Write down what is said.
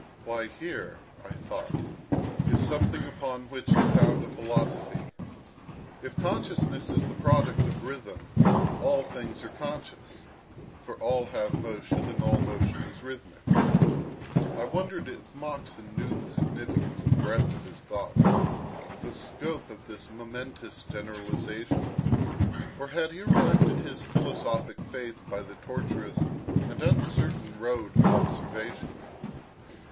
Why, here, (I thought) is something upon which to found a philosophy. If consciousness is the product of rhythm all things are conscious, for all have motion, and all motion is rhythmic. I wondered if Moxon knew the significance and breadth of his thought—the scope of this momentous generalization; or had he arrived at his philosophic faith by the tortuous and uncertain road of observation?